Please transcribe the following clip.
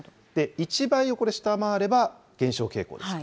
１倍を下回れば、減少傾向です。